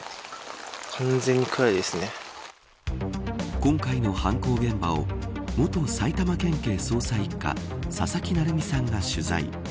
今回の犯行現場を元埼玉県警捜査一課佐々木成三さんが取材。